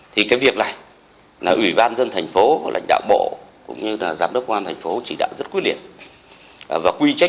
thì cái việc này ủy ban nhân thành phố lãnh đạo bộ cũng như là giám đốc công an thành phố chỉ đạo rất quyết liệt